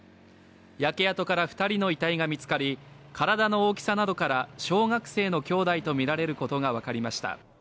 焼け跡から２人の遺体が見つかり体の大きさなどから小学生の兄弟とみられることが分かりました。